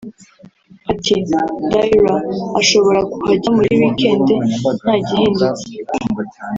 Ati “[Diarra] Ashobora kuhagera muri weekend ntagihindutse”